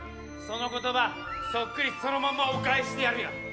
その言葉そっくりそのままお返ししてやるよ。